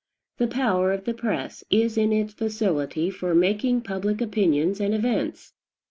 The power of the press is in its facility for making public opinions and events.